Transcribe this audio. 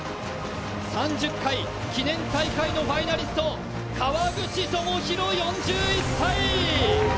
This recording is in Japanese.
３０回記念大会のファイナリスト川口朋広４１歳。